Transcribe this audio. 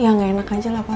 ya gak enak aja lah